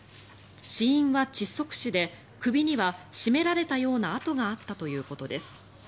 死因は窒息死で首には絞められたような痕があったということです。